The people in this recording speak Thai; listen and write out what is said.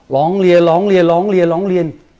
ร้องเรียนร้องเรียนร้องเรียนร้องเรียน